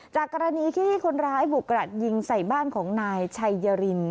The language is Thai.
จากกรณีที่คนร้ายบุกกระดยิงใส่บ้านของนายชัยยริน